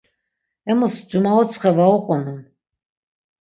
Emus cumaotsxe var uqonun.